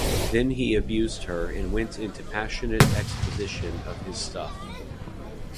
Then he abused her, and went into passionate exposition of his stuff.